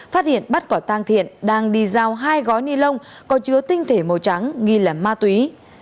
phát hiện bắt quả tang thiện đang đi giao hai gói ni lông có chứa tinh thể màu trắng nghi là ma túy